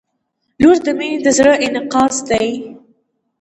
• لور د مینې د زړه انعکاس دی.